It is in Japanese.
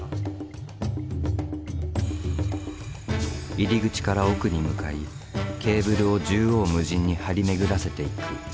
入り口から奥に向かいケーブルを縦横無尽に張り巡らせていく。